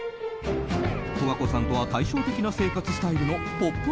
十和子さんとは対照的な生活スタイルの「ポップＵＰ！」